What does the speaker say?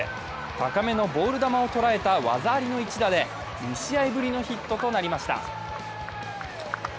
高めのボール球を捉えた技ありの一打で２試合ぶりのヒットとなりました。